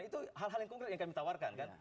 itu hal hal yang konkret yang kami tawarkan kan